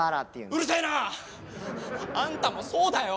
うるせえな！あんたもそうだよ。